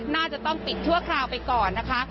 น่าจะต้องปิดชั่วคราวไปก่อนนะคะ